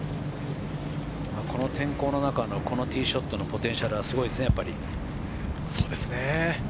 この天候の中、ティーショットのポテンシャルはすごいですね。